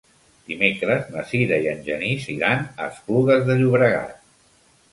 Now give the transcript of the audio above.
Dimecres na Sira i en Genís iran a Esplugues de Llobregat.